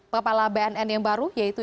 kepala bnn yang baru yaitu